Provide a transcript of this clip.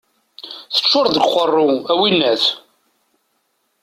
Teččureḍ deg uqerru, a winnat!